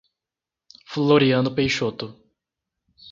Floriano Peixoto